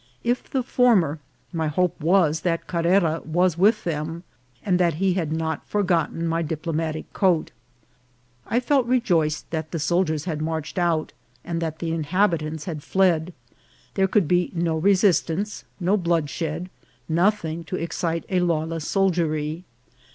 If the former, my hope was that Carrera was with them, and that he had not forgotten my diplomatic coat ; I felt rejoiced that the soldiers had marched out, and that the inhabitants had fled ; there could be no re sistance, no bloodshed, nothing to excite a lawless sol diery.